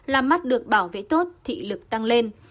làm mắt được bảo vệ tốt thị lực tăng lên